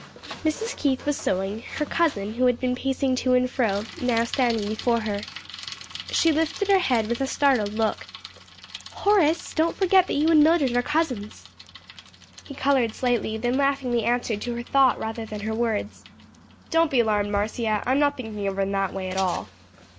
Mrs. Keith was sewing, her cousin who had been pacing to and fro, now standing before her. She lifted her head with a startled look. "Horace, don't forget that you and Mildred are cousins." He colored slightly, then laughingly answered to her thought rather than her words, "Don't be alarmed, Marcia; I'm not thinking of her in that way at all."